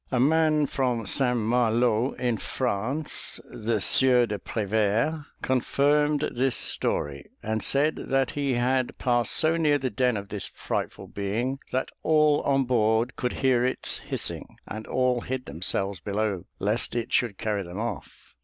A man from St. Malo in France, the Sieur de Prevert, confirmed this story, and said that he had passed so near the den of this frightful being, that all on board could hear its hissing, and all hid themselves below, lest it should carry them off.